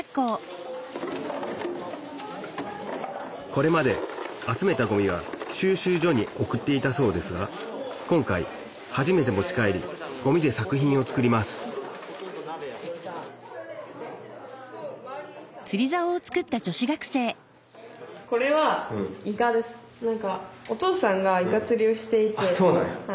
これまで集めたごみは収集所に送っていたそうですが今回初めて持ち帰りごみで作品を作りますあっそうなんや。